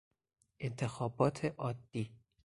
انتخابات عادی